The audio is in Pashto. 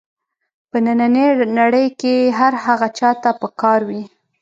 په نننۍ نړۍ کې هر هغه چا ته په کار وي.